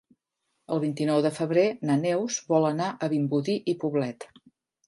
El vint-i-nou de febrer na Neus vol anar a Vimbodí i Poblet.